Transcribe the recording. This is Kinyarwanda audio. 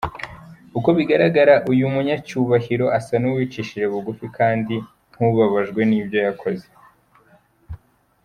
Uko bigaragara uyu munyacyubahiro asa n’uwicishije bugufi kandi nk’ubabajwe n’ibyo yakoze.